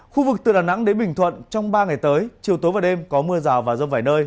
khu vực từ đà nẵng đến bình thuận trong ba ngày tới chiều tối và đêm có mưa rào và rông vài nơi